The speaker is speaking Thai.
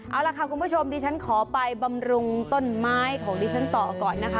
เอาล่ะค่ะคุณผู้ชมดิฉันขอไปบำรุงต้นไม้ของดิฉันต่อก่อนนะคะ